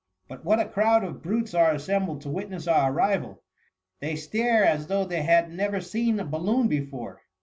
But what a crowd of brutes are assembled to witness our arrival ! they stare as though they had ne« ver seen a balloon before.